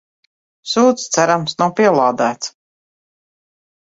Sūds, cerams nav pielādēts.